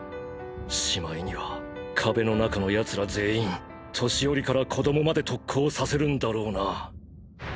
しまいには壁の中の奴ら全員年寄りから子供まで特攻させるんだろうな。